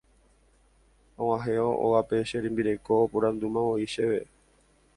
Ag̃uahẽvo ógape che rembireko oporandumavoi chéve.